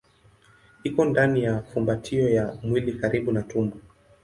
Iko ndani ya fumbatio ya mwili karibu na tumbo.